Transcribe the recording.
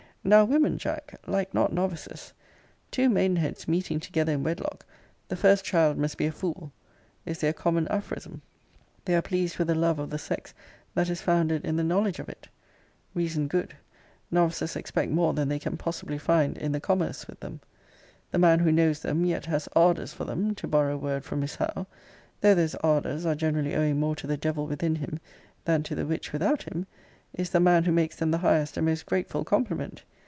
Now women, Jack, like not novices. Two maidenheads meeting together in wedlock, the first child must be a fool, is their common aphorism. They are pleased with a love of the sex that is founded in the knowledge of it. Reason good; novices expect more than they can possibly find in the commerce with them. The man who knows them, yet has ardours for them, to borrow a word from Miss Howe,* though those ardours are generally owing more to the devil within him, than to the witch without him, is the man who makes them the highest and most grateful compliment.